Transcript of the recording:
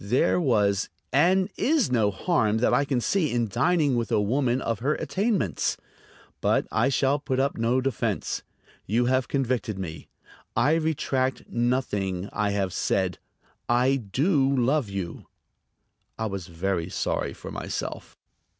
There was and is no harm that I can see in dining with a woman of her attainments. But I shall put up no defense. You have convicted me. I retract nothing I have said. I do love you." I was very sorry for myself.